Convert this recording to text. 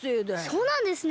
そうなんですね。